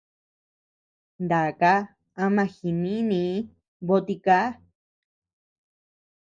Naka ama jinínii bö tiká.